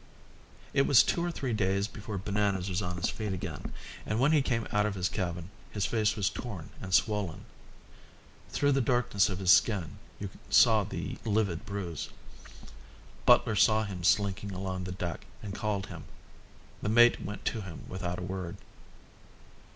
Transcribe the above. It was two or three days before Bananas was on his feet again, and when he came out of his cabin his face was torn and swollen. Through the darkness of his skin you saw the livid bruise. Butler saw him slinking along the deck and called him. The mate went to him without a word.